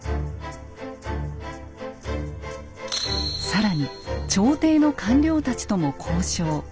更に朝廷の官僚たちとも交渉。